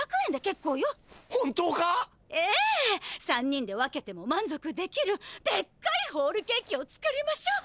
３人で分けてもまんぞくできるでっかいホールケーキを作りましょう！